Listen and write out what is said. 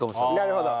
なるほど。